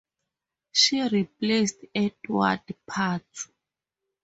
She replaced Eduard Parts.